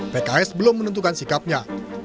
pks belum menentukan sikapnya